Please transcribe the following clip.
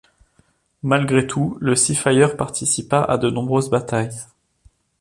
Malgré tout, le Seafire participa à de nombreuses batailles.